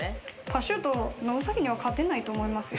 パシュートノウサギには勝てないと思います。